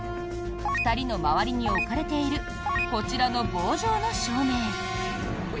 ２人の周りに置かれているこちらの棒状の照明。